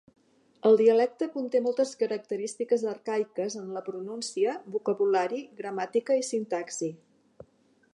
El dialecte conté moltes característiques arcaiques en la pronúncia, vocabulari, gramàtica i sintaxi.